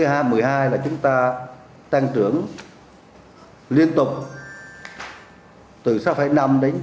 năm hai nghìn một mươi hai là chúng ta tăng trưởng liên tục từ sáu năm đến bảy năm